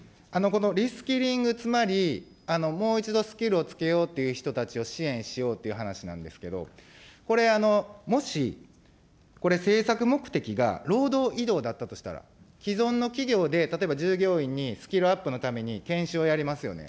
このリスキリング、つまりもう一度スキルをつけようという人たちを支援しようという話なんですけど、これ、もし、これ政策目的が労働移動だったとしたら、既存の企業で例えば従業員にスキルアップのために研修をやりますよね。